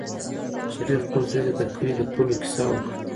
شریف خپل زوی ته د کلي د پولو کیسه وکړه.